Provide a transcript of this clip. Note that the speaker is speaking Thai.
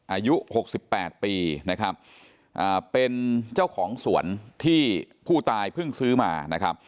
อายุ๖๘ปีนะครับเป็นเจ้าของสวนที่ผู้ตายเพิ่งซื้อมานะครับ